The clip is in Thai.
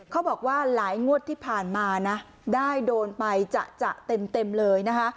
เขาบอกว่าหลายงวดที่ผ่านมานะได้โดนไปจะเต็มเลยนะคะ